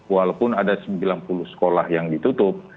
walaupun ada sembilan puluh sekolah yang ditutup